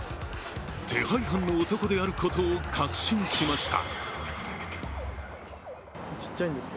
手配犯の男であることを確信しました。